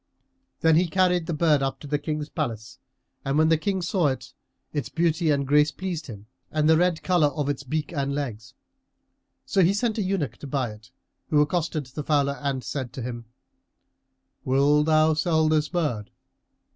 Then he carried the bird up to the King's palace and when the King saw it, its beauty and grace pleased him and the red colour of its beak and legs. So he sent an eunuch to buy it, who accosted the fowler and said to him, "Wilt thou sell this bird?"